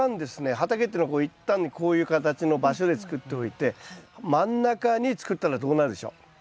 畑っていうのはこう一旦にこういう形の場所で作っておいて真ん中に作ったらどうなるでしょう？